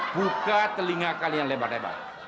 buka telinga kalian lebar lebar